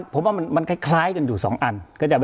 ผมว่ามันคล้ายกันอยู่๒อัน